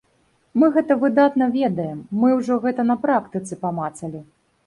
Мы гэта выдатна ведаем, мы ўжо гэта на практыцы памацалі.